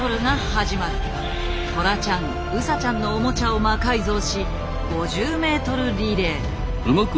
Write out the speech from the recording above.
トラちゃんウサちゃんのオモチャを魔改造し５０ｍリレー。